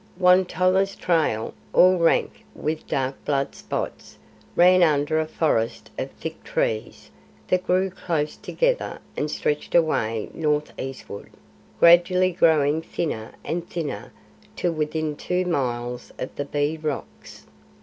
Won tolla's trail, all rank with dark blood spots, ran under a forest of thick trees that grew close together and stretched away north eastward, gradually growing thinner and thinner to within two miles of the Bee Rocks.